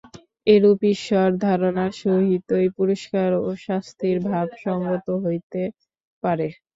এরূপ ঈশ্বর-ধারণার সহিতই পুরস্কার ও শাস্তির ভাব সঙ্গত হইতে পারে।